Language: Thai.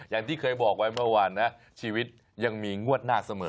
อย่างที่เคยบอกไว้เมื่อวานนะชีวิตยังมีงวดหน้าเสมอ